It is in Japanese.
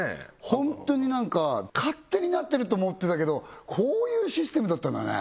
ホントに何か勝手になってると思ってたけどこういうシステムだったんだね